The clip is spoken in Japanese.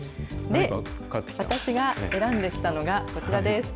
私が選んできたのがこちらです。